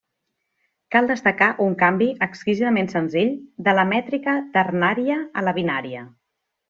Cal destacar un canvi exquisidament senzill de la mètrica ternària a la binària.